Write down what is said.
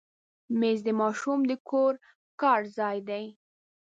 مېز د ماشوم د کور کار ځای دی.